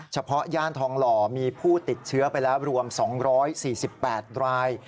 ย่านทองหล่อมีผู้ติดเชื้อไปแล้วรวม๒๔๘ราย